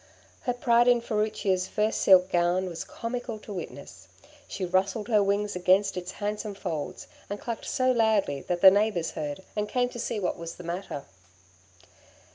Her pride in Furicchia's first silk gown was comical to witness; she rustled her wings against its handsome folds, and clucked so loudly that the neighbours heard, and came to see what was the matter.